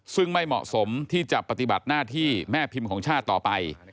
ซึ่งไม่เหมาะสมที่จะปฏิบัติหน้าที่แม่พิมพ์ของชาติต่อไป